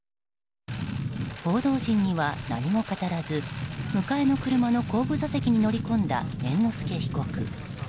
報道陣には何も語らず迎えの車の後部座席に乗り込んだ猿之助被告。